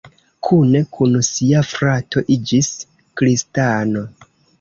Kune kun sia frato iĝis kristano.